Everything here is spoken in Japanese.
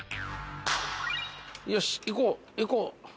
よし行こう行こう。